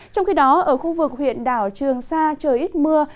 trong khi đó ở khu vực huyện đảo trường sa trời ít mưa